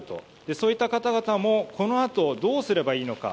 そういった方々もこのあとどうすればいいのか。